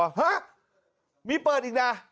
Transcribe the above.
ฮะมีเปิดอีกนะ